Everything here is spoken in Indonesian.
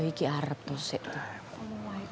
ini arep tuh